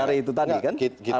dari itu tadi kan